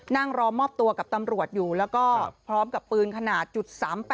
นั่งรอมอบตัวกับตำรวจอยู่แล้วก็พร้อมกับปืนขนาด๓๘